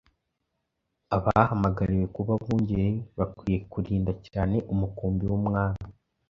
Abahamagariwe kuba abungeri bakwiriye kurinda cyane umukumbi w’umwami.